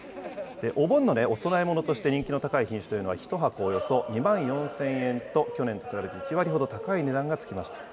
お盆のお供え物として人気の高い品種というのは、１箱およそ２万４０００円と、去年と比べて１割ほど高い値段がつきました。